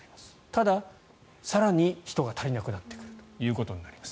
ただ、更に人が足りなくなってくるということになります。